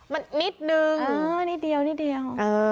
มันนิดนึงนิดเดียว